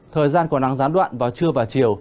thời gian có nắng gián đoạn vào trưa và chiều